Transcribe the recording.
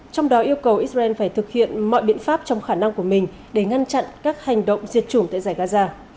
trong đó yêu cầu israel phải thực hiện mọi biện pháp trong khả năng của mình để ngăn chặn các hành động diệt chủng tại giải gaza